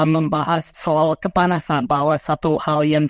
membahas soal kepanasan bahwa satu hal yang